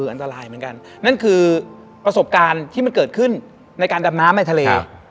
อันตรายเหมือนกันนั่นคือประสบการณ์ที่มันเกิดขึ้นในการดำน้ำในทะเล